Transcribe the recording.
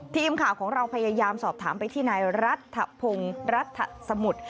ทีมข่าวของเราพยายามสอบถามไปที่นายรัฐพงศ์รัฐสมุทร